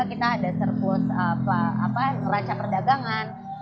kita ada surplus apa apa raca perdagangan